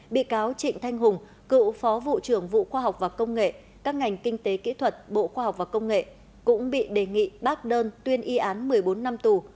bị cáo trịnh thanh hùng cựu phó vụ trưởng vụ khoa học và công nghệ các ngành kinh tế kỹ thuật bộ khoa học và công nghệ cũng bị đề nghị bác đơn tuyên y án một mươi bốn năm tù